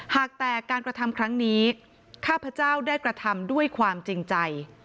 หากแต่การกระทำครั้งนี้ข้าพเจ้าได้กระทำด้วยความจริงใจ